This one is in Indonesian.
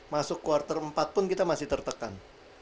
masuk kuartal empat pun kita masih tertekan